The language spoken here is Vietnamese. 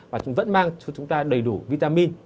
và vẫn mang cho chúng ta đầy đủ vitamin